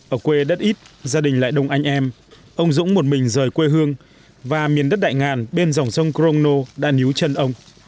ở quê đất ít gia đình lại đông anh em ông dũng một mình rời quê hương và miền đất đại ngàn bên dòng sông crono đa nú chân ông